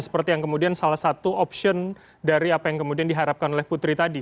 seperti yang kemudian salah satu opsiun dari apa yang kemudian terjadi